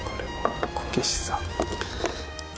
こけしさん。